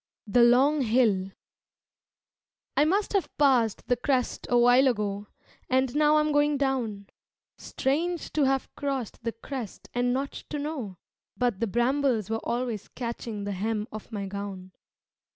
The Long Hill I must have passed the crest a while ago And now I am going down Strange to have crossed the crest and not to know, But the brambles were always catching the hem of my gown.